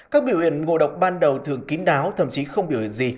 các biểu hiện ngộ độc ban đầu thường kín đáo thậm chí không biểu hiện gì